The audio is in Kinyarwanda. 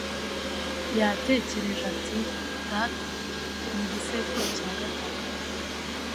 Yatekereje ati: "Data ni igisekuru cya gatanu."